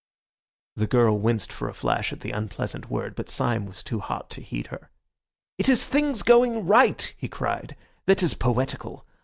The girl winced for a flash at the unpleasant word, but Syme was too hot to heed her. "It is things going right," he cried, "that is poetical!